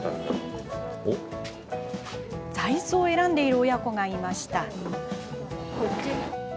座いすを選んでいる親子がいました。